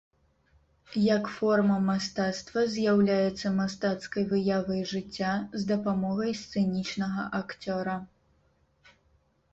Як форма мастацтва з'яўляецца мастацкай выявай жыцця з дапамогай сцэнічнага акцёра.